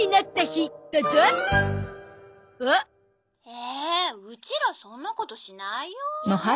「えーうちらそんなことしないよー」